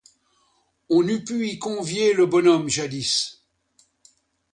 On eût pu y convier le bonhomme Jadis.